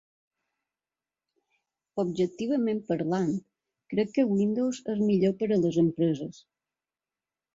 Objectivament parlant, crec que Windows és millor per a les empreses.